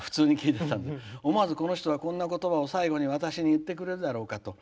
思わず、この人がこんなことばを最期に言ってくれるかだろうと。